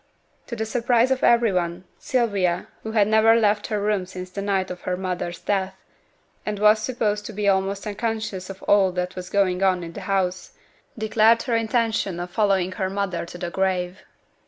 To the surprise of every one, Sylvia, who had never left her room since the night of her mother's death, and was supposed to be almost unconscious of all that was going on in the house, declared her intention of following her mother to the grave.